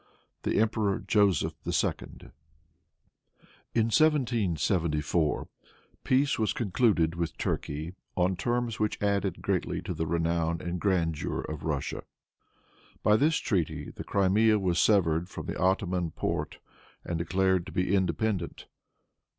The Emperor Joseph II. In 1774 peace was concluded with Turkey, on terms which added greatly to the renown and grandeur of Russia. By this treaty the Crimea was severed from the Ottoman Porte, and declared to be independent.